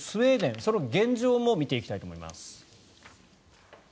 その現状も見ていきたいと思います。